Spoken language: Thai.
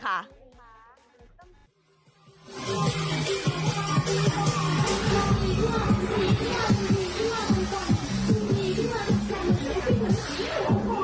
เมื่อไหวดนตร์ก็ครบ